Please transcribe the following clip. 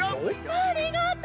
ありがとう！